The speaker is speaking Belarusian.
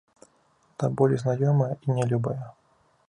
Да болю знаёмая і нялюбая.